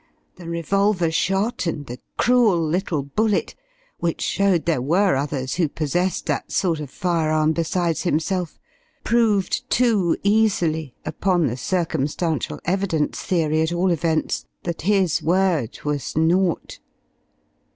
The revolver shot and the cruel little bullet (which showed there were others who possessed that sort of fire arm besides himself) proved too easily, upon the circumstantial evidence theory at all events, that his word was naught.